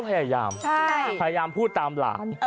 แถมมีสรุปอีกต่างหาก